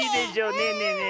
ねえねえねえ。